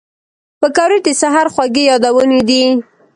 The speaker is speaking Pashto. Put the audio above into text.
پکورې د سهر خوږې یادونې دي